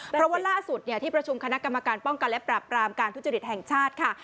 เพราะว่าล่าสุดที่ประชุมคณะกรรมการป้องกันและปรับปรามการทุจริตแห่งชาติค่ะ